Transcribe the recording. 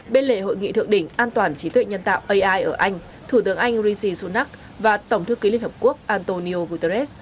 bên lề hội nghị thượng đỉnh an toàn trí tuệ nhân tạo ai ở anh thủ tướng anh rishi sunak và tổng thư ký liên hợp quốc antonio guterres